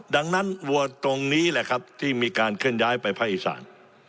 ดังนั้นวัวตรงนี้แหละครับที่มีการเคลื่อนย้ายไปภาคอีสาน